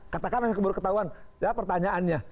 katakanlah baru ketahuan ya pertanyaannya